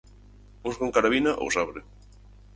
Uns con carabina ou sabre.